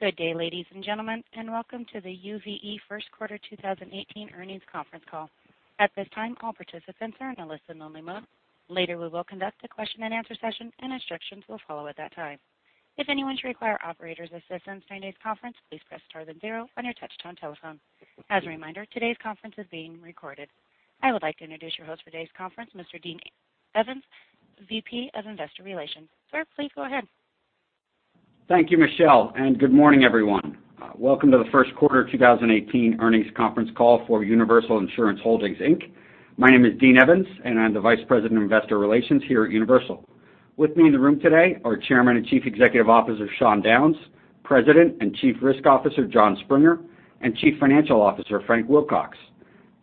Good day, ladies and gentlemen. Welcome to the UVE first quarter 2018 earnings conference call. At this time, all participants are in a listen-only mode. Later, we will conduct a question-and-answer session, and instructions will follow at that time. If anyone should require operator assistance during today's conference, please press star then zero on your touch-tone telephone. As a reminder, today's conference is being recorded. I would like to introduce your host for today's conference, Mr. Dean Evans, VP of Investor Relations. Sir, please go ahead. Thank you, Michelle. Good morning, everyone. Welcome to the first quarter 2018 earnings conference call for Universal Insurance Holdings, Inc. My name is Dean Evans, and I'm the Vice President of Investor Relations here at Universal. With me in the room today are Chairman and Chief Executive Officer, Sean Downes, President and Chief Risk Officer, Jon W. Springer, and Chief Financial Officer, Frank C. Wilcox.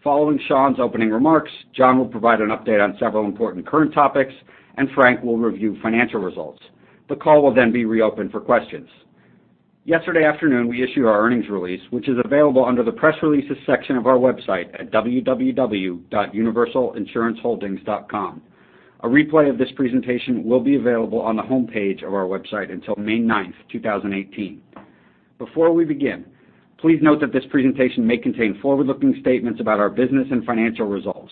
Following Sean's opening remarks, Jon W. will provide an update on several important current topics, and Frank C. will review financial results. The call will be reopened for questions. Yesterday afternoon, we issued our earnings release, which is available under the Press Releases section of our website at www.universalinsuranceholdings.com. A replay of this presentation will be available on the homepage of our website until May 9th, 2018. Before we begin, please note that this presentation may contain forward-looking statements about our business and financial results.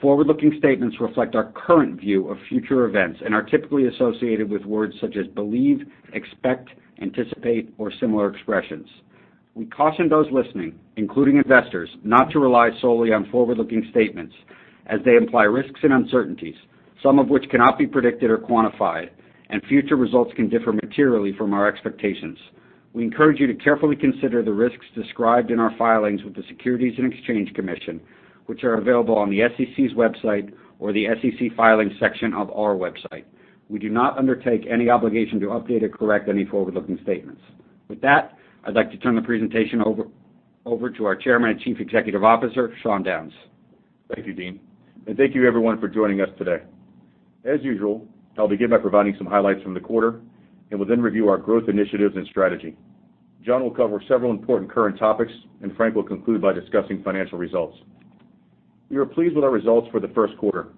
Forward-looking statements reflect our current view of future events and are typically associated with words such as believe, expect, anticipate, or similar expressions. We caution those listening, including investors, not to rely solely on forward-looking statements as they imply risks and uncertainties, some of which cannot be predicted or quantified, and future results can differ materially from our expectations. We encourage you to carefully consider the risks described in our filings with the Securities and Exchange Commission, which are available on the SEC's website or the SEC Filings section of our website. We do not undertake any obligation to update or correct any forward-looking statements. With that, I'd like to turn the presentation over to our Chairman and Chief Executive Officer, Sean Downes. Thank you, Dean. Thank you, everyone, for joining us today. As usual, I'll begin by providing some highlights from the quarter and will then review our growth initiatives and strategy. Jon W. will cover several important current topics, and Frank C. will conclude by discussing financial results. We were pleased with our results for the first quarter.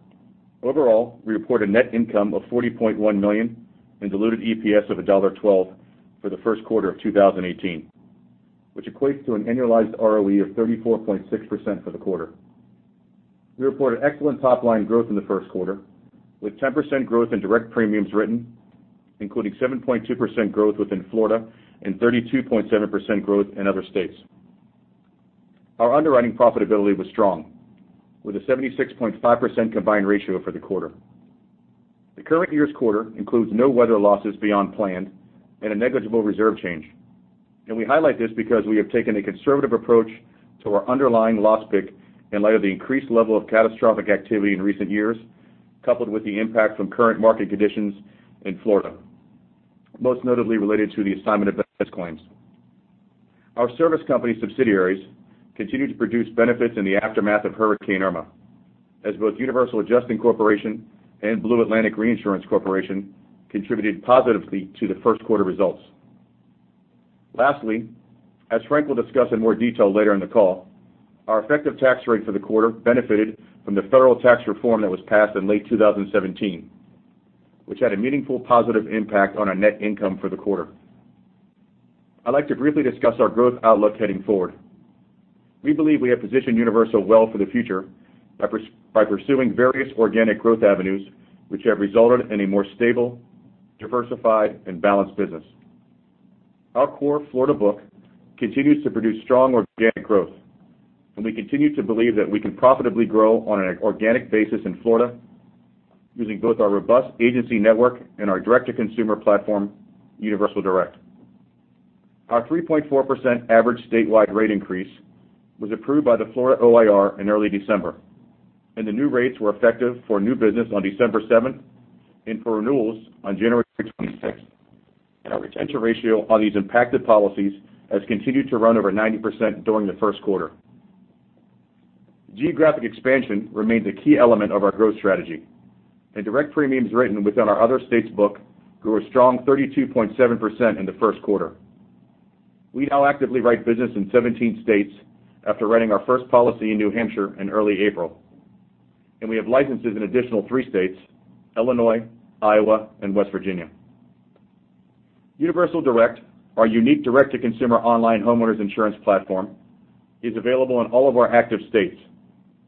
Overall, we report a net income of $40.1 million and diluted EPS of $1.12 for the first quarter of 2018, which equates to an annualized ROE of 34.6% for the quarter. We report an excellent top-line growth in the first quarter, with 10% growth in direct premiums written, including 7.2% growth within Florida and 32.7% growth in other states. Our underwriting profitability was strong, with a 76.5% combined ratio for the quarter. The current year's quarter includes no weather losses beyond planned and a negligible reserve change. We highlight this because we have taken a conservative approach to our underlying loss pick in light of the increased level of catastrophic activity in recent years, coupled with the impact from current market conditions in Florida, most notably related to the assignment of benefits claims. Our service company subsidiaries continued to produce benefits in the aftermath of Hurricane Irma, as both Universal Adjusting Corporation and Blue Atlantic Reinsurance Corporation contributed positively to the first quarter results. Lastly, as Frank will discuss in more detail later in the call, our effective tax rate for the quarter benefited from the federal tax reform that was passed in late 2017, which had a meaningful positive impact on our net income for the quarter. I'd like to briefly discuss our growth outlook heading forward. We believe we have positioned Universal well for the future by pursuing various organic growth avenues, which have resulted in a more stable, diversified, and balanced business. Our core Florida book continues to produce strong organic growth. We continue to believe that we can profitably grow on an organic basis in Florida using both our robust agency network and our direct-to-consumer platform, Universal Direct. Our 3.4% average statewide rate increase was approved by the Florida OIR in early December, and the new rates were effective for new business on December 7th and for renewals on January 26th. Our retention ratio on these impacted policies has continued to run over 90% during the first quarter. We now actively write business in 17 states after writing our first policy in New Hampshire in early April. We have licenses in an additional three states, Illinois, Iowa, and West Virginia. Universal Direct, our unique direct-to-consumer online homeowners insurance platform, is available in all of our active states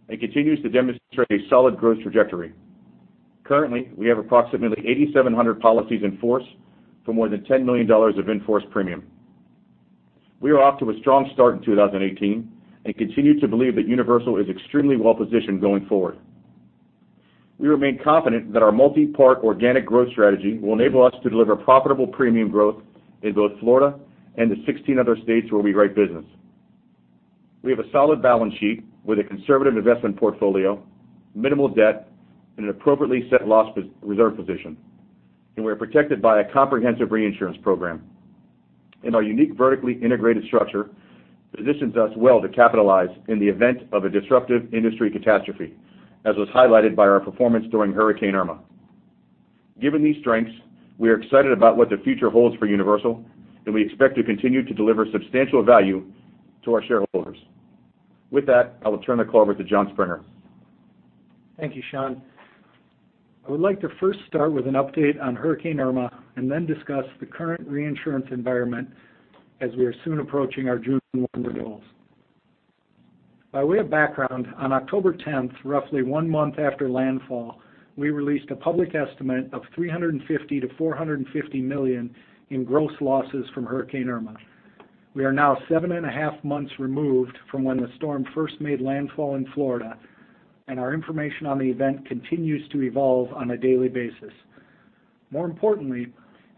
and continues to demonstrate a solid growth trajectory. Currently, we have approximately 8,700 policies in force for more than $10 million of in-force premium. We are off to a strong start in 2018 and continue to believe that Universal is extremely well-positioned going forward. We remain confident that our multipart organic growth strategy will enable us to deliver profitable premium growth in both Florida and the 16 other states where we write business. We have a solid balance sheet with a conservative investment portfolio, minimal debt, and an appropriately set loss reserve position. We're protected by a comprehensive reinsurance program. Our unique vertically integrated structure positions us well to capitalize in the event of a disruptive industry catastrophe, as was highlighted by our performance during Hurricane Irma. Given these strengths, we are excited about what the future holds for Universal, and we expect to continue to deliver substantial value to our shareholders. With that, I will turn the call over to Jon Springer. Thank you, Sean. I would like to first start with an update on Hurricane Irma and then discuss the current reinsurance environment as we are soon approaching our June 1 renewals. By way of background, on October 10th, roughly one month after landfall, we released a public estimate of $350 million-$450 million in gross losses from Hurricane Irma. We are now seven and a half months removed from when the storm first made landfall in Florida, and our information on the event continues to evolve on a daily basis. More importantly,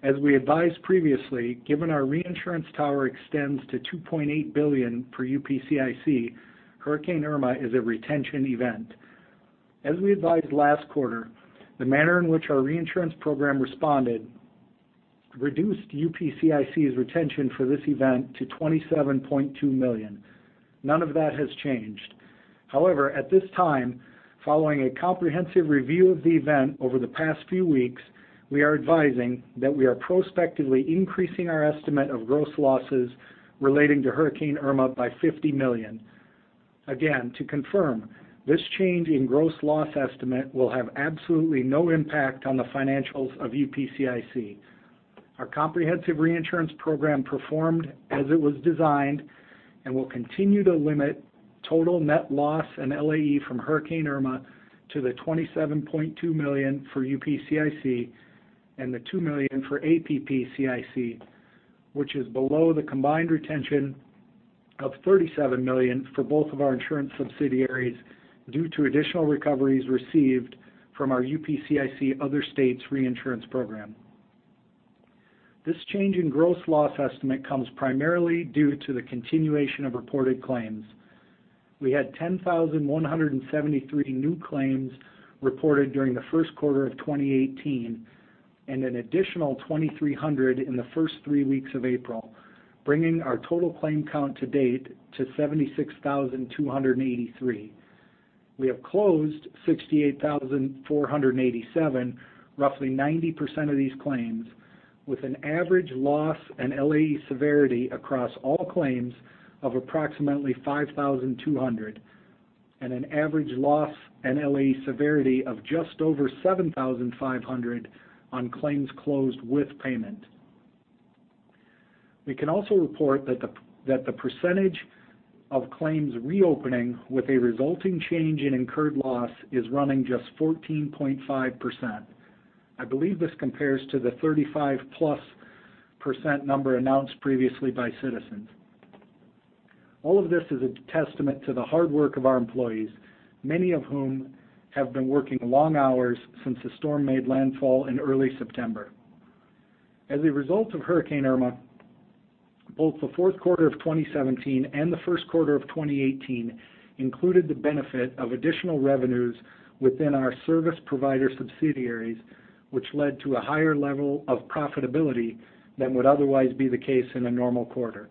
as we advised previously, given our reinsurance tower extends to $2.8 billion per UPCIC, Hurricane Irma is a retention event. As we advised last quarter, the manner in which our reinsurance program responded reduced UPCIC's retention for this event to $27.2 million. None of that has changed. At this time, following a comprehensive review of the event over the past few weeks, we are advising that we are prospectively increasing our estimate of gross losses relating to Hurricane Irma by $50 million. Again, to confirm, this change in gross loss estimate will have absolutely no impact on the financials of UPCIC. Our comprehensive reinsurance program performed as it was designed and will continue to limit total net loss and LAE from Hurricane Irma to the $27.2 million for UPCIC and the $2 million for APPCIC, which is below the combined retention of $37 million for both of our insurance subsidiaries due to additional recoveries received from our UPCIC Other States Reinsurance program. This change in gross loss estimate comes primarily due to the continuation of reported claims. We had 10,173 new claims reported during the first quarter of 2018 and an additional 2,300 in the first three weeks of April, bringing our total claim count to date to 76,283. We have closed 68,487, roughly 90% of these claims, with an average loss and LAE severity across all claims of approximately $5,200, and an average loss and LAE severity of just over $7,500 on claims closed with payment. We can also report that the percentage of claims reopening with a resulting change in incurred loss is running just 14.5%. I believe this compares to the 35+% number announced previously by Citizens. All of this is a testament to the hard work of our employees, many of whom have been working long hours since the storm made landfall in early September. As a result of Hurricane Irma, both the fourth quarter of 2017 and the first quarter of 2018 included the benefit of additional revenues within our service provider subsidiaries, which led to a higher level of profitability than would otherwise be the case in a normal quarter.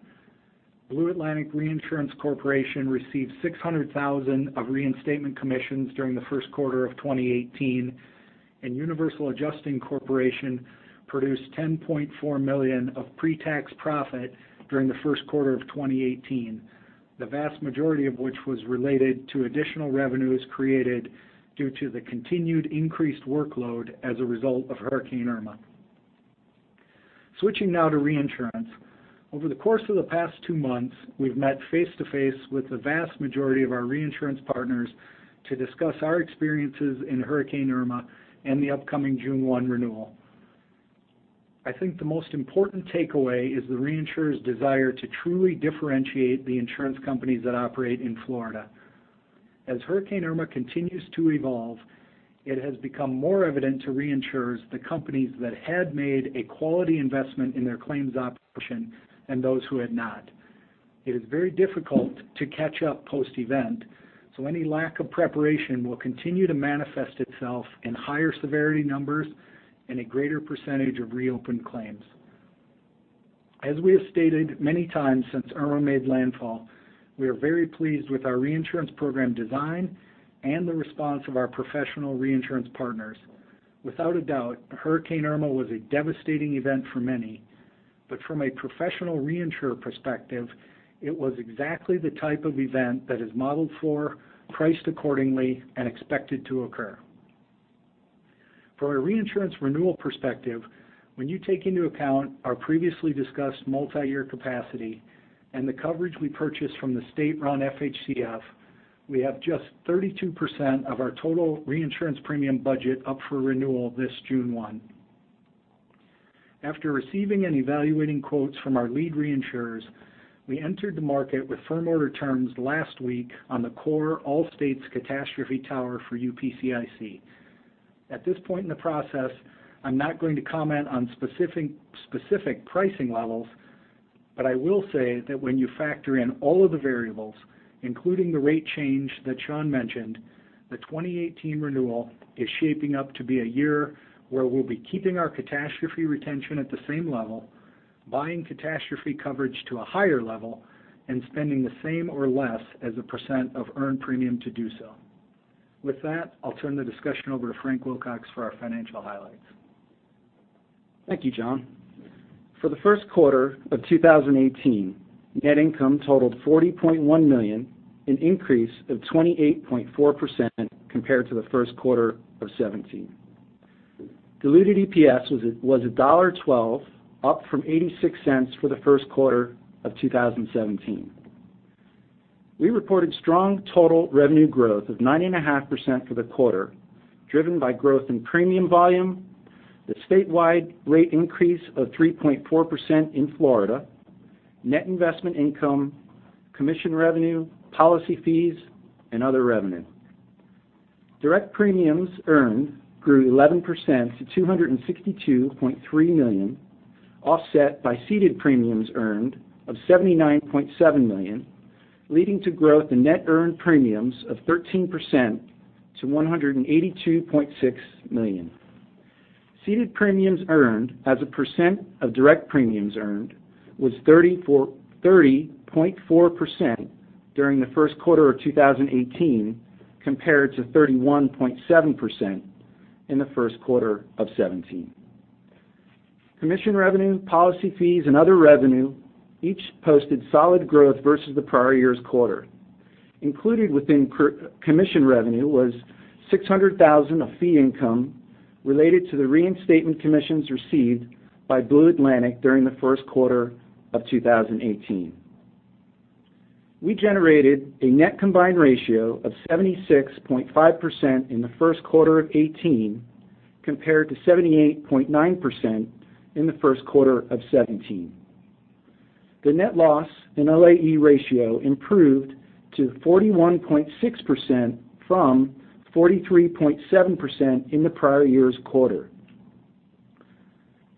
Blue Atlantic Reinsurance Corporation received $600,000 of reinstatement commissions during the first quarter of 2018, and Universal Adjusting Corporation produced $10.4 million of pre-tax profit during the first quarter of 2018, the vast majority of which was related to additional revenues created due to the continued increased workload as a result of Hurricane Irma. Switching now to reinsurance. Over the course of the past two months, we've met face to face with the vast majority of our reinsurance partners to discuss our experiences in Hurricane Irma and the upcoming June 1 renewal. I think the most important takeaway is the reinsurers' desire to truly differentiate the insurance companies that operate in Florida. As Hurricane Irma continues to evolve, it has become more evident to reinsurers the companies that had made a quality investment in their claims operation than those who had not. It is very difficult to catch up post-event, any lack of preparation will continue to manifest itself in higher severity numbers and a greater percentage of reopened claims. As we have stated many times since Hurricane Irma made landfall, we are very pleased with our reinsurance program design and the response of our professional reinsurance partners. Without a doubt, Hurricane Irma was a devastating event for many, from a professional reinsurer perspective, it was exactly the type of event that is modeled for, priced accordingly, and expected to occur. From a reinsurance renewal perspective, when you take into account our previously discussed multi-year capacity and the coverage we purchased from the state-run FHCF, we have just 32% of our total reinsurance premium budget up for renewal this June 1. After receiving and evaluating quotes from our lead reinsurers, we entered the market with firm order terms last week on the core all states catastrophe tower for UPCIC. At this point in the process, I'm not going to comment on specific pricing levels, I will say that when you factor in all of the variables, including the rate change that Sean mentioned, the 2018 renewal is shaping up to be a year where we'll be keeping our catastrophe retention at the same level, buying catastrophe coverage to a higher level, and spending the same or less as a % of earned premium to do so. With that, I'll turn the discussion over to Frank Wilcox for our financial highlights. Thank you, Jon. For the first quarter of 2018, net income totaled $40.1 million, an increase of 28.4% compared to the first quarter of 2017. Diluted EPS was $1.12, up from $0.86 for the first quarter of 2017. We reported strong total revenue growth of 9.5% for the quarter, driven by growth in premium volume, the statewide rate increase of 3.4% in Florida, net investment income, commission revenue, policy fees, and other revenue. Direct premiums earned grew 11% to $262.3 million, offset by ceded premiums earned of $79.7 million, leading to growth in net earned premiums of 13% to $182.6 million. Ceded premiums earned as a % of direct premiums earned was 30.4% during the first quarter of 2018, compared to 31.7% in the first quarter of 2017. Commission revenue, policy fees, and other revenue each posted solid growth versus the prior year's quarter. Included within commission revenue was $600,000 of fee income related to the reinstatement commissions received by Blue Atlantic during the first quarter of 2018. We generated a net combined ratio of 76.5% in the first quarter of 2018, compared to 78.9% in the first quarter of 2017. The net loss and LAE ratio improved to 41.6% from 43.7% in the prior year's quarter.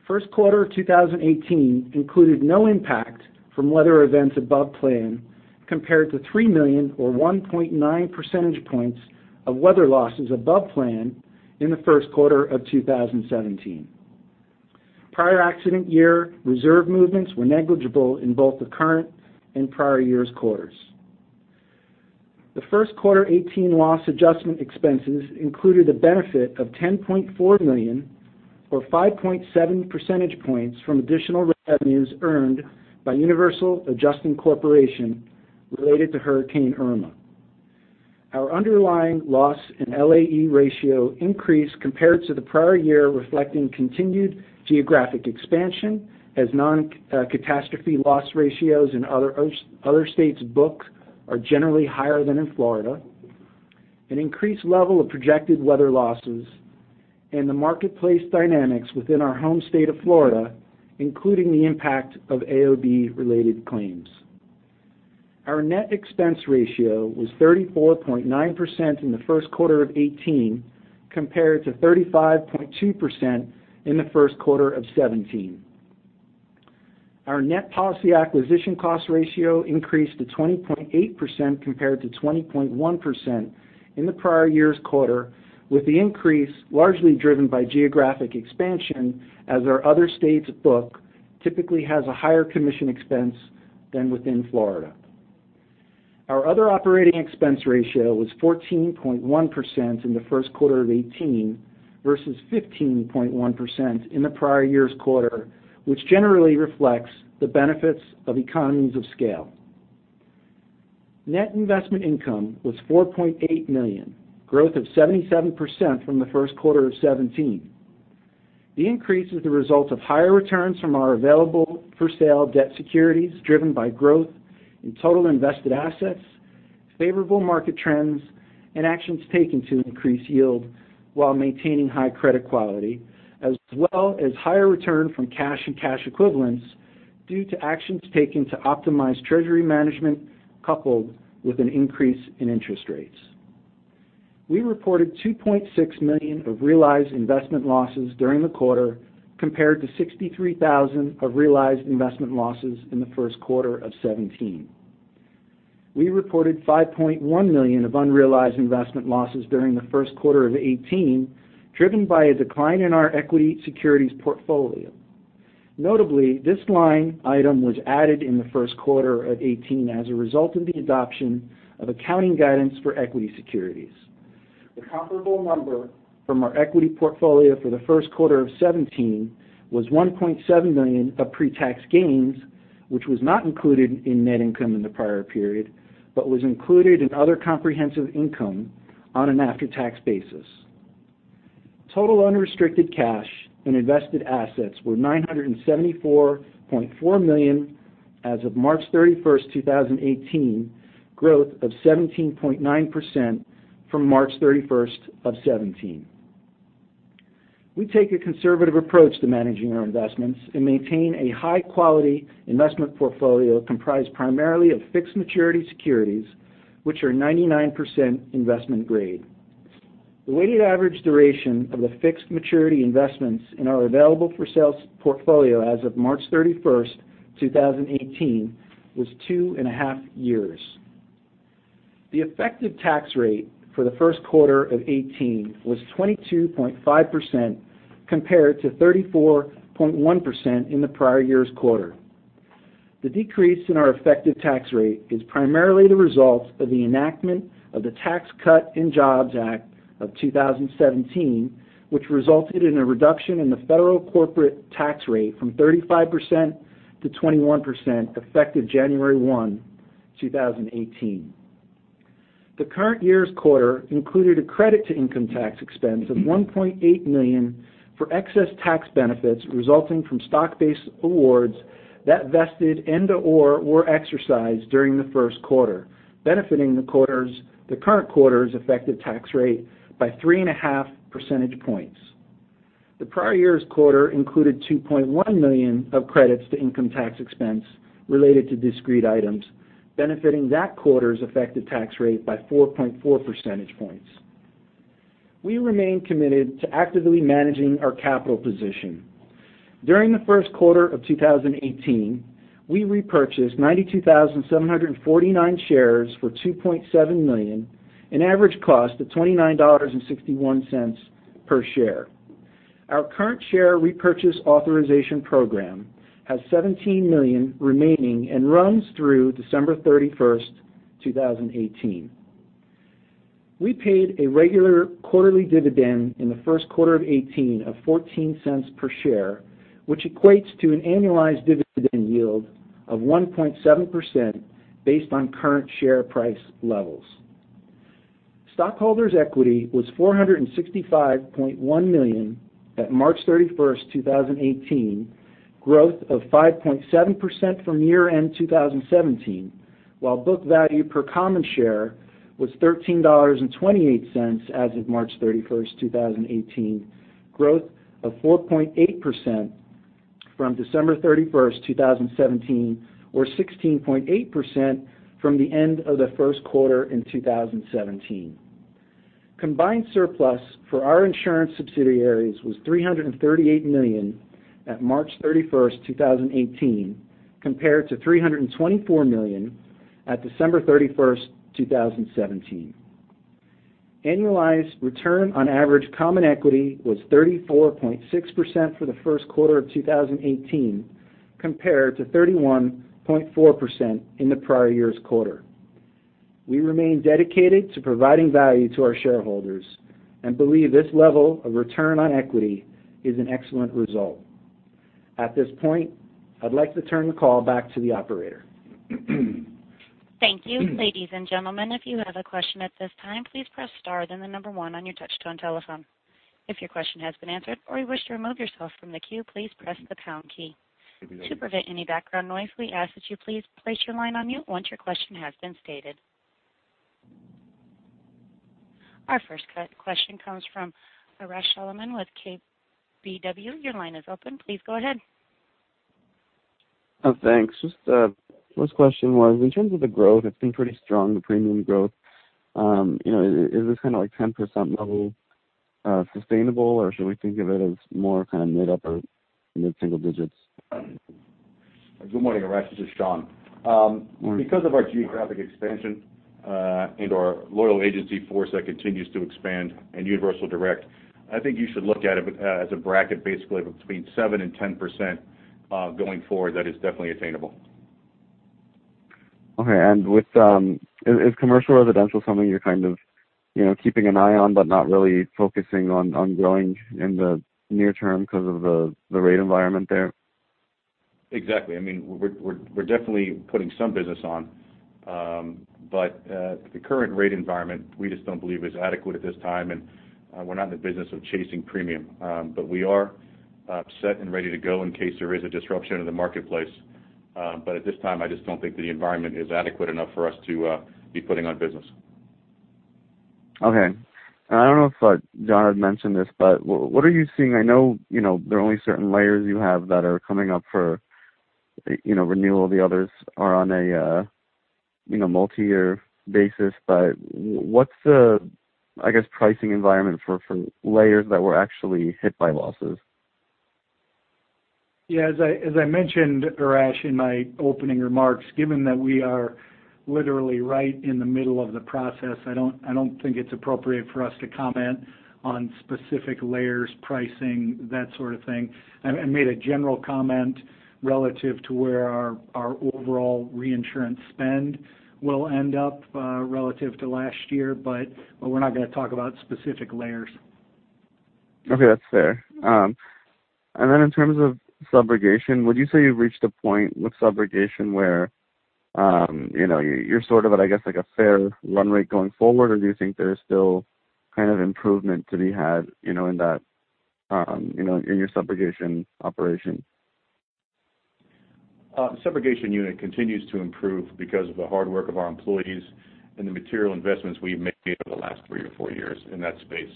First quarter of 2018 included no impact from weather events above plan, compared to $3 million or 1.9 percentage points of weather losses above plan in the first quarter of 2017. Prior accident year reserve movements were negligible in both the current and prior year's quarters. The first quarter 2018 loss adjustment expenses included a benefit of $10.4 million, or 5.7 percentage points from additional revenues earned by Universal Adjusting Corporation related to Hurricane Irma. Our underlying loss in LAE ratio increased compared to the prior year, reflecting continued geographic expansion as non-catastrophe loss ratios in other states' books are generally higher than in Florida, an increased level of projected weather losses, and the marketplace dynamics within our home state of Florida, including the impact of AOB-related claims. Our net expense ratio was 34.9% in the first quarter of 2018, compared to 35.2% in the first quarter of 2017. Our net policy acquisition cost ratio increased to 20.8% compared to 20.1% in the prior year's quarter, with the increase largely driven by geographic expansion as our other states' book typically has a higher commission expense than within Florida. Our other operating expense ratio was 14.1% in the first quarter of 2018 versus 15.1% in the prior year's quarter, which generally reflects the benefits of economies of scale. Net investment income was $4.8 million, growth of 77% from the first quarter of 2017. The increase is the result of higher returns from our available-for-sale debt securities driven by growth in total invested assets, favorable market trends, and actions taken to increase yield while maintaining high credit quality, as well as higher return from cash and cash equivalents due to actions taken to optimize treasury management, coupled with an increase in interest rates. We reported $2.6 million of realized investment losses during the quarter, compared to $63,000 of realized investment losses in the first quarter of 2017. We reported $5.1 million of unrealized investment losses during the first quarter of 2018, driven by a decline in our equity securities portfolio. Notably, this line item was added in the first quarter of 2018 as a result of the adoption of accounting guidance for equity securities. The comparable number from our equity portfolio for the first quarter of 2017 was $1.7 million of pre-tax gains, which was not included in net income in the prior period, but was included in other comprehensive income on an after-tax basis. Total unrestricted cash and invested assets were $974.4 million as of March 31st, 2018, growth of 17.9% from March 31st of 2017. We take a conservative approach to managing our investments and maintain a high-quality investment portfolio comprised primarily of fixed maturity securities, which are 99% investment grade. The weighted average duration of the fixed maturity investments in our available-for-sale portfolio as of March 31st, 2018 was two and a half years. The effective tax rate for the first quarter of 2018 was 22.5%, compared to 34.1% in the prior year's quarter. The decrease in our effective tax rate is primarily the result of the enactment of the Tax Cuts and Jobs Act of 2017, which resulted in a reduction in the federal corporate tax rate from 35% to 21%, effective January 1, 2018. The current year's quarter included a credit to income tax expense of $1.8 million for excess tax benefits resulting from stock-based awards that vested and/or were exercised during the first quarter, benefiting the current quarter's effective tax rate by three and a half percentage points. The prior year's quarter included $2.1 million of credits to income tax expense related to discrete items, benefiting that quarter's effective tax rate by 4.4 percentage points. We remain committed to actively managing our capital position. During the first quarter of 2018, we repurchased 92,749 shares for $2.7 million, an average cost of $29.61 per share. Our current share repurchase authorization program has $17 million remaining and runs through December 31st, 2018. We paid a regular quarterly dividend in the first quarter of 2018 of $0.14 per share, which equates to an annualized dividend yield of 1.7% based on current share price levels. Stockholders' equity was $465.1 million at March 31st, 2018, growth of 5.7% from year-end 2017, while book value per common share was $13.28 as of March 31st, 2018, growth of 4.8% from December 31st, 2017, or 16.8% from the end of the first quarter in 2017. Combined surplus for our insurance subsidiaries was $338 million at March 31st, 2018, compared to $324 million at December 31st, 2017. Annualized return on average common equity was 34.6% for the first quarter of 2018, compared to 31.4% in the prior year's quarter. We remain dedicated to providing value to our shareholders and believe this level of return on equity is an excellent result. At this point, I'd like to turn the call back to the operator. Thank you. Ladies and gentlemen, if you have a question at this time, please press star then the number one on your touch-tone telephone. If your question has been answered or you wish to remove yourself from the queue, please press the pound key. To prevent any background noise, we ask that you please place your line on mute once your question has been stated. Our first question comes from Arash Soleimani with KBW. Your line is open. Please go ahead. Thanks. Just the first question was, in terms of the growth, it's been pretty strong, the premium growth. Is this kind of 10% level sustainable, or should we think of it as more kind of mid-upper, mid-single digits? Good morning, Arash. This is Sean. Morning. Because of our geographic expansion, and our loyal agency force that continues to expand in Universal Direct, I think you should look at it as a bracket basically of between 7% and 10% going forward. That is definitely attainable. Okay. Is commercial residential something you're kind of keeping an eye on but not really focusing on growing in the near term because of the rate environment there? Exactly. We're definitely putting some business on. The current rate environment, we just don't believe is adequate at this time, and we're not in the business of chasing premium. We are set and ready to go in case there is a disruption in the marketplace. At this time, I just don't think that the environment is adequate enough for us to be putting on business. Okay. I don't know if Jon had mentioned this, what are you seeing? I know there are only certain layers you have that are coming up for renewal. The others are on a multi-year basis, what's the, I guess, pricing environment for layers that were actually hit by losses? Yeah, as I mentioned, Arash, in my opening remarks, given that we are literally right in the middle of the process, I don't think it's appropriate for us to comment on specific layers, pricing, that sort of thing. I made a general comment relative to where our overall reinsurance spend will end up relative to last year. We're not going to talk about specific layers. Okay. That's fair. Then in terms of subrogation, would you say you've reached a point with subrogation where you're sort of at, I guess, a fair run rate going forward? Do you think there's still kind of improvement to be had in your subrogation operation? Subrogation unit continues to improve because of the hard work of our employees and the material investments we've made over the last three or four years in that space.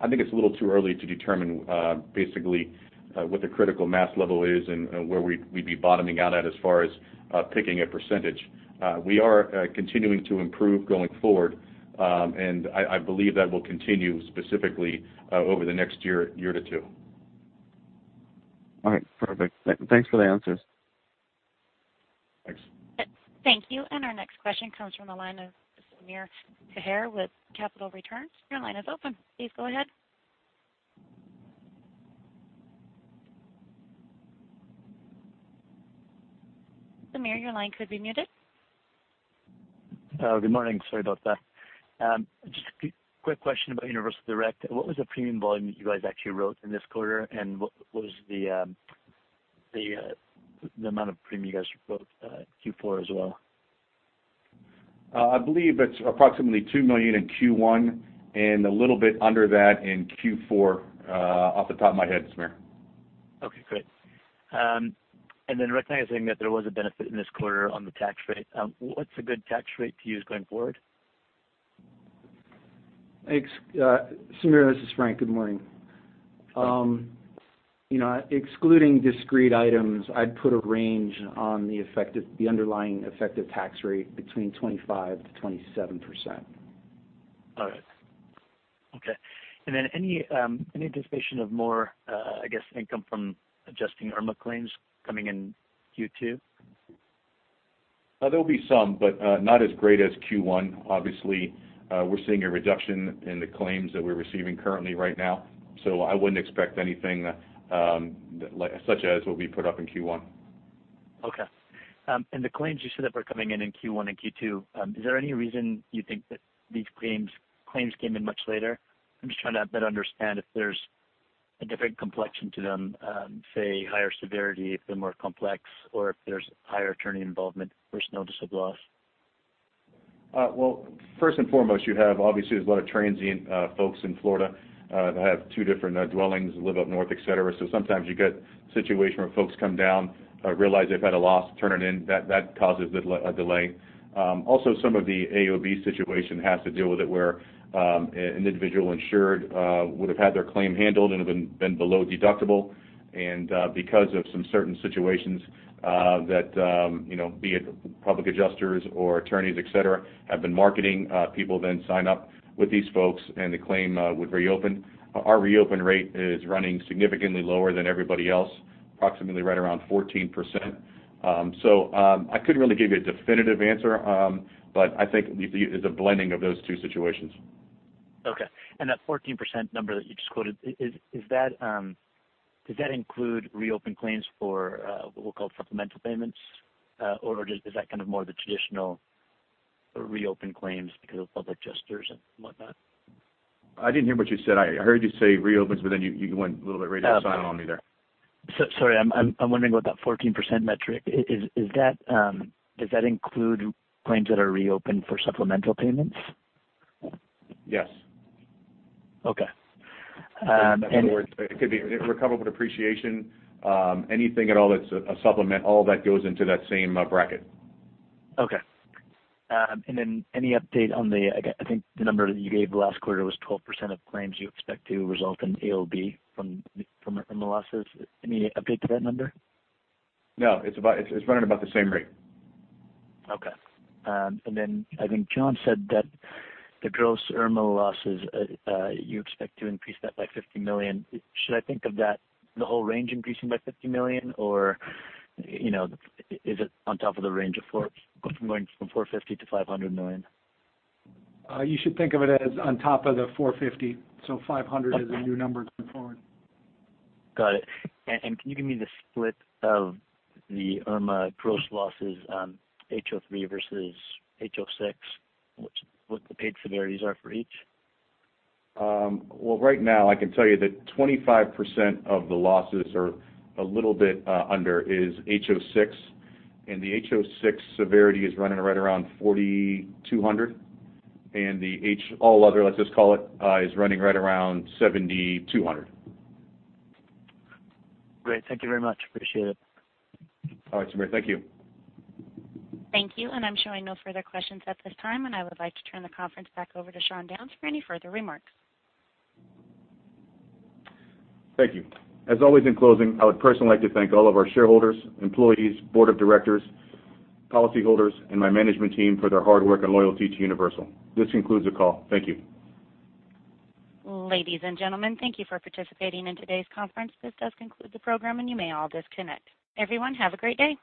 I think it's a little too early to determine basically what the critical mass level is and where we'd be bottoming out at as far as picking a percentage. We are continuing to improve going forward, and I believe that will continue specifically over the next year to two. All right. Perfect. Thanks for the answers. Thanks. Thank you. Our next question comes from the line of Samir Khare with Capital Returns. Your line is open. Please go ahead. Samir, your line could be muted. Good morning. Sorry about that. Just a quick question about Universal Direct. What was the premium volume that you guys actually wrote in this quarter, and what was the amount of premium you guys wrote Q4 as well? I believe it's approximately $2 million in Q1 and a little bit under that in Q4, off the top of my head, Samir. Okay, great. Recognizing that there was a benefit in this quarter on the tax rate, what's a good tax rate to use going forward? Thanks. Samir, this is Frank. Good morning. Excluding discrete items, I'd put a range on the underlying effective tax rate between 25%-27%. Got it. Okay. Any anticipation of more, I guess, income from adjusting Hurricane Irma claims coming in Q2? There'll be some, but not as great as Q1. Obviously, we're seeing a reduction in the claims that we're receiving currently right now. I wouldn't expect anything such as what we put up in Q1. Okay. The claims you said that were coming in Q1 and Q2, is there any reason you think that these claims came in much later? I'm just trying to better understand if there's a different complexion to them, say, higher severity, if they're more complex, or if there's higher attorney involvement versus notice of loss. Well, first and foremost, you have obviously there's a lot of transient folks in Florida that have two different dwellings, live up north, et cetera. Sometimes you get a situation where folks come down, realize they've had a loss, turn it in. That causes a delay. Also, some of the AOB situation has to deal with it, where an individual insured would have had their claim handled and have been below deductible. Because of some certain situations that be it public adjusters or attorneys, et cetera, have been marketing, people then sign up with these folks and the claim would reopen. Our reopen rate is running significantly lower than everybody else, approximately right around 14%. I couldn't really give you a definitive answer, but I think it's a blending of those two situations. Okay. That 14% number that you just quoted, does that include reopened claims for what we'll call supplemental payments? Is that kind of more the traditional reopened claims because of public adjusters and whatnot? I didn't hear what you said. I heard you say reopens, you went a little bit radio silent on me there. Sorry, I'm wondering about that 14% metric. Does that include claims that are reopened for supplemental payments? Yes. Okay. It could be recoverable depreciation. Anything at all that's a supplement, all that goes into that same bracket. Okay. Any update on the, I think the number that you gave last quarter was 12% of claims you expect to result in AOB from Irma losses. Any update to that number? No, it's running about the same rate. Okay. I think Jon said that the gross Hurricane Irma losses you expect to increase that by $50 million. Should I think of that, the whole range increasing by $50 million, or is it on top of the range of going from $450 to $500 million? You should think of it as on top of the $450. $500 is a new number going forward. Got it. Can you give me the split of the Hurricane Irma gross losses on HO-3 versus HO-6? What the paid severities are for each? Well, right now I can tell you that 25% of the losses or a little bit under is HO-6, the HO-6 severity is running right around $4,200. The all other, let's just call it, is running right around $7,200. Great. Thank you very much. Appreciate it. All right, Samir. Thank you. Thank you. I'm showing no further questions at this time, and I would like to turn the conference back over to Sean Downes for any further remarks. Thank you. As always, in closing, I would personally like to thank all of our shareholders, employees, board of directors, policyholders, and my management team for their hard work and loyalty to Universal. This concludes the call. Thank you. Ladies and gentlemen, thank you for participating in today's conference. This does conclude the program, and you may all disconnect. Everyone, have a great day.